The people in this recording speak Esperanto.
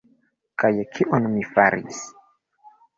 Kaj kion mi faris?